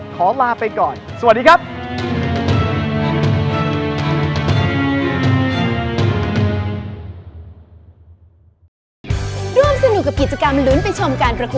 ขอลาไปก่อนสวัสดีครับ